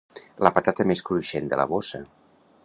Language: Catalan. La patata més cruixent de la bossa.